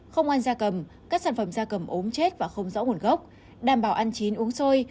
không ăn da cầm các sản phẩm da cầm ốm chết và không rõ nguồn gốc đảm bảo ăn chín uống sôi